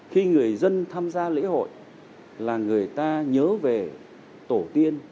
khi người dân tham gia lễ hội là người ta nhớ về tổ tiên